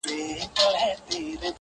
ځکه چي ماته يې زړگی ويلی.